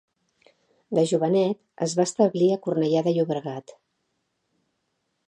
De jovenet es va establir a Cornellà de Llobregat.